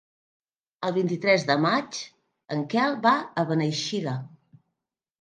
El vint-i-tres de maig en Quel va a Beneixida.